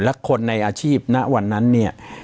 และคนในอาชีพณวันนั้นเนี่ย